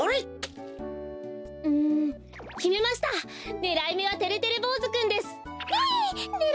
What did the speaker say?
ねらいめはてれてれぼうずくんですひい！